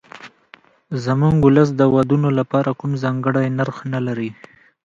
زموږ ولس د ودونو لپاره کوم ځانګړی نرخ نه لري.